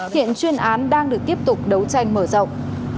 hiện chuyên án đang được tiếp tục đấu tranh mở rộng